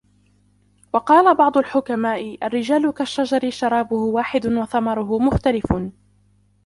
وَقَالَ بَعْضُ الْحُكَمَاءِ الرِّجَالُ كَالشَّجَرِ شَرَابُهُ وَاحِدٌ وَثَمَرُهُ مُخْتَلِفٌ